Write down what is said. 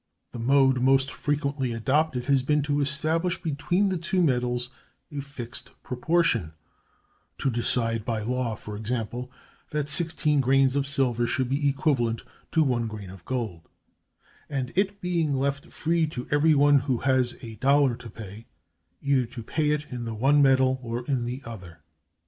The mode most frequently adopted has been to establish between the two metals a fixed proportion [to decide by law, for example, that sixteen grains of silver should be equivalent to one grain of gold]; and it being left free to every one who has a [dollar] to pay, either to pay it in the one metal or in the other.